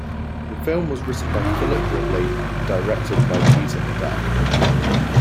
The film was written by Philip Ridley and directed by Peter Medak.